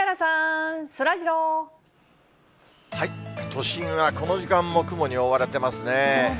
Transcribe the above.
都心はこの時間も雲に覆われてますね。